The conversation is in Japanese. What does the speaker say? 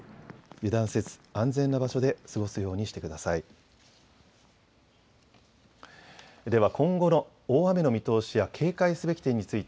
油断せず安全な場所で過ごすようにしてください。